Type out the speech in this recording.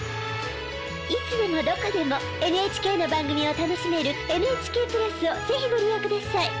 いつでもどこでもＮＨＫの番組を楽しめるＮＨＫプラスを是非ご利用ください。